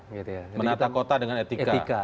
menata kota dengan etika